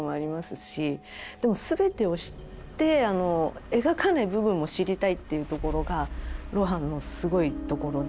でも全てを知って描かない部分も知りたいっていうところが露伴のすごいところで。